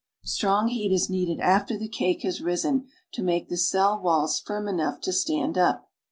Strong heat is needed after the cake has risen to make the cell walls firm enough to stand up.